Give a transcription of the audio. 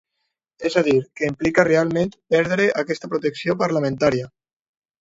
És a dir, què implica realment perdre aquesta protecció parlamentària.